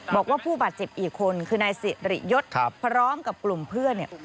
บอกว่าผู้บาดเจ็บอีกคนคือนายสิริยศพร้อมกับกลุ่มเพื่อนเนี่ย